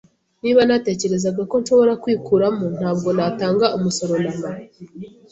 Niba natekerezaga ko nshobora kwikuramo, ntabwo natanga umusoro namba.